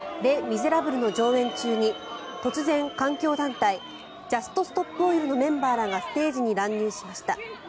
ロンドンで４日「レ・ミゼラブル」の上演中に突然、環境団体ジャスト・ストップ・オイルのメンバーらがステージに乱入しました。